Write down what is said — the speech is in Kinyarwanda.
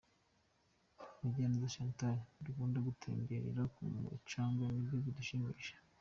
Mugiraneza Chantal: Dukunda gutemberera ku mucanga,…nibyo bidushimisha.